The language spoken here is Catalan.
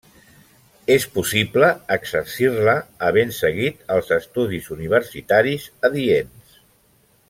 És possible exercir-la havent seguit els estudis universitaris adients.